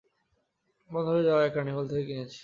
বন্ধ হয়ে যাওয়া এক কার্নিভ্যাল থেকে কিনেছি।